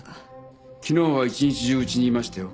昨日は一日中家にいましたよ。